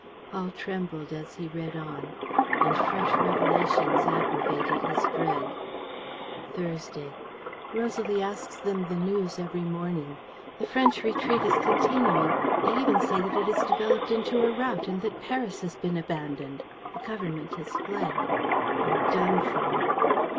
Paul trembled as he read on. And fresh revelations aggravated his dread: "Thursday. "Rosalie asks them the news every morning. The French retreat is continuing. They even say that it has developed into a rout and that Paris has been abandoned. The government has fled. We are done for.